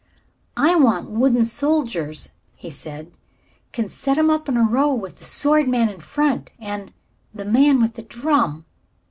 "I want wooden soldiers," he said. "Can set 'em up in a row, with the sword man in front, an' the man with the drum."